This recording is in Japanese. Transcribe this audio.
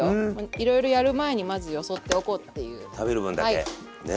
いろいろやる前にまずよそっておこうっていう食べる分だけね。